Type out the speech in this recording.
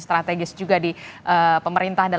strategis juga di pemerintah dan